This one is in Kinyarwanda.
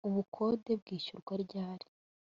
ubukode bwishyurwa ryari